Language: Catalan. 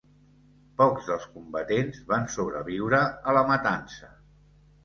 Pocs dels combatents van sobreviure a la matança.